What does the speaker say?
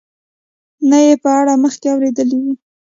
نه یې په اړه مخکې اورېدلي وو.